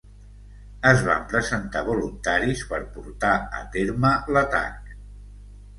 Es van presentar voluntaris per portar a terme l'atac